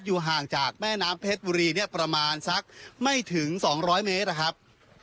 อยู่ห่างจากแม่น้ำเพชรบุรีเนี่ยประมาณสักไม่ถึง๒๐๐เมตรนะครับ